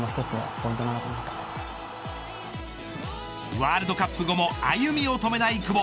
ワールドカップ後も歩みを止めない久保。